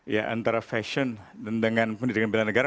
ya antara fashion dan dengan pendidikan bela negara